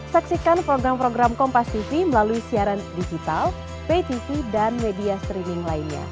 saksikan program program kompas tv melalui siaran digital pay tv dan media streaming lainnya